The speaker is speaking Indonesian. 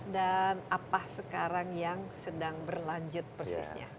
dan apa sekarang yang sedang berlanjut persisnya